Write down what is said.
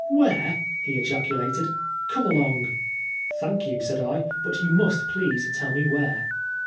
Where I" he ejaculated, " Come along." Thank you," I said, " but you must please tell m,e where."